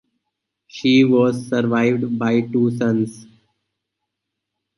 She was survived by two sons.